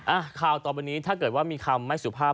อ่ะข่าวต่อไปนี้ถ้าเกิดว่ามีคำไม่สุภาพ